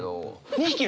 ２匹！